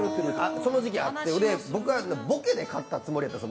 その時期あって、僕はボケで買ったはずだったんです。